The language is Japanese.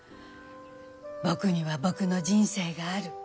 「僕には僕の人生がある。